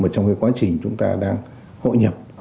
trong quá trình chúng ta đang hội nhập